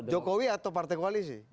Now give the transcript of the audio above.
jokowi atau partai koalisi